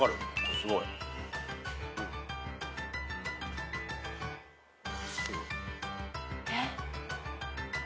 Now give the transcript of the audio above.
すごい。えっ？